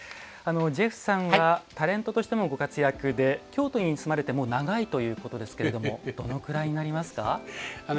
ジェフさんはタレントとしてもご活躍で京都に住まれてもう長いということですけれどもどのくらいになりますか？